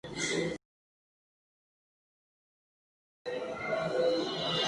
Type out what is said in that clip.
Theresa Randle interpretó el personaje principal, y la dramaturga Suzan-Lori Parks escribió el guión.